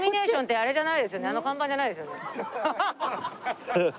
あの看板じゃないですよね。